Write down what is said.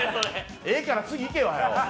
ええから次いけよ。